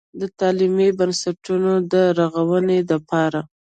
د تعليمي بنسټونو د رغونې دپاره